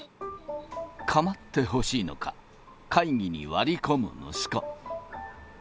かまってほしいのか、会議に割り込む息子。